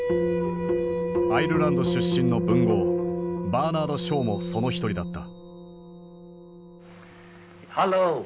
アイルランド出身の文豪バーナード・ショーもその一人だった。